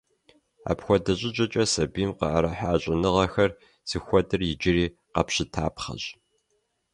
Апхуэдэ щӀыкӀэкӀэ сабийм къыӀэрыхьа щӀэныгъэхэр зыхуэдэр иджыри къэпщытапхъэщ.